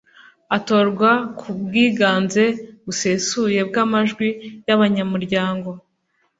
atorwa ku bwiganze busesuye bw'amajwi y'abanyamuryango